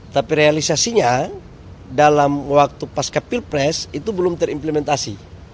tapi realisasinya dalam waktu pasca pilpres itu belum terimplementasi